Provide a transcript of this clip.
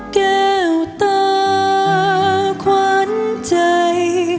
แก้วตาควั้นใจ